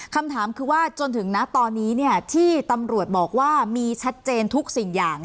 คำถามคือว่าจนถึงนะตอนนี้ที่ตำรวจบอกว่ามีชัดเจนทุกสิ่งอย่าง